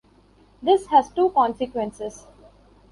This has two consequences.